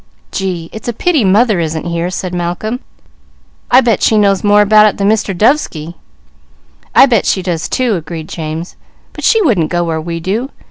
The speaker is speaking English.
"Gee, it's a pity mother isn't here," said Malcolm. "I bet she knows more about it than Mr. Dovesky." "I bet she does, too," agreed James. "But she wouldn't go where we do.